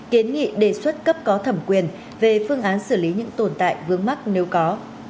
kiến nghị đề xuất cấp có thẩm quyền về phương án xử lý những tồn tại vướng mắc nếu có